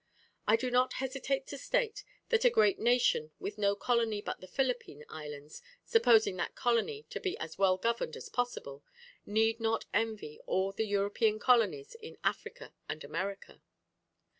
"I do not hesitate to state, that a great nation with no colony but the Philippine Islands, supposing that colony to be as well governed as possible, need not envy all the European colonies in Africa and America."